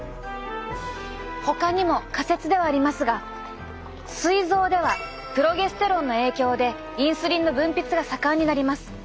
ほかにも仮説ではありますがすい臓ではプロゲステロンの影響でインスリンの分泌が盛んになります。